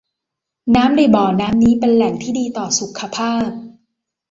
น้ำในบ่อน้ำนี้เป็นแหล่งที่ดีต่อสุขภาพ